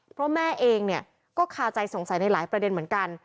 เพราะแม่เองเนี่ยก็คาใจสงสัยในหลายประเด็นเหมือนกัน